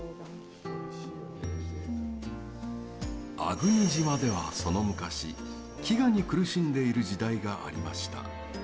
粟国島では、その昔飢餓に苦しんでいる時代がありました。